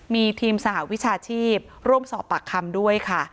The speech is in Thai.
มีทีมสหวิชาชีพร่วมสอบปากคำด้วยค่ะ